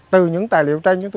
từ những tài liệu tranh